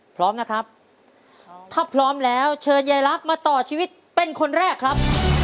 พร้อมนะครับถ้าพร้อมแล้วเชิญยายลักษณ์มาต่อชีวิตเป็นคนแรกครับ